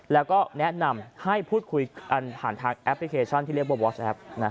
แล้วก็แนะนำให้พูดคุยกันผ่านทางแอปพลิเคชันที่เรียกว่าวอสแอป